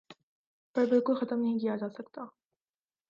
پر بالکل ختم نہیں کیا جاسکتا